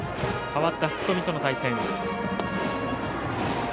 代わった福冨との対戦。